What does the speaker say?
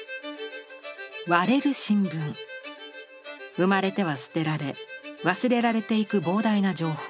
生まれては捨てられ忘れられていく膨大な情報。